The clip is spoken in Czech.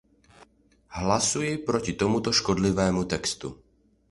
Hlasuji proti tomuto škodlivému textu.